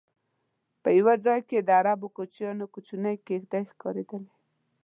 په یو ځای کې د عربو کوچیانو کوچنۍ کېږدی ښکارېدلې.